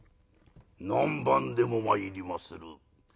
「何番でも参りまする」。